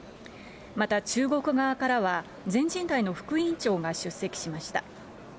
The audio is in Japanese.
また、中国側からは、全人代の副委員長が出席しました。